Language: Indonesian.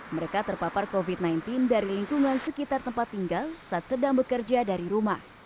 mereka terpapar covid sembilan belas dari lingkungan sekitar tempat tinggal saat sedang bekerja dari rumah